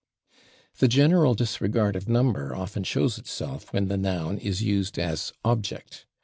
The general disregard of number often shows itself when the noun is used as object.